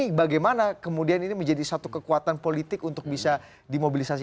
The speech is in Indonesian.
tapi bagaimana kemudian ini menjadi satu kekuatan politik untuk bisa dimobilisasi